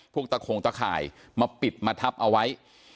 ตะโขงตะข่ายมาปิดมาทับเอาไว้